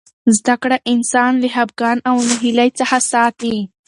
زده کړه انسان له خفګان او ناهیلۍ څخه ساتي.